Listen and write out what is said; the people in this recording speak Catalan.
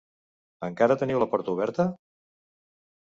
Encara teniu la porta oberta?